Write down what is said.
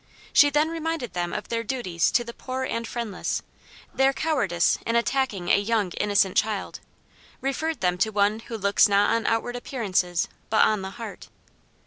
She then reminded them of their duties to the poor and friendless; their cowardice in attacking a young innocent child; referred them to one who looks not on outward appearances, but on the heart.